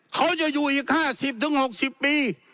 เขาจะอยู่อีก๕๐๖๐ปี